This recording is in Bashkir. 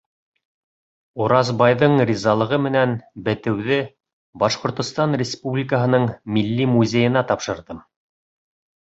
Уразбайҙың ризалығы менән бетеүҙе Башҡортостан Республикаһының Милли музейына тапшырҙым.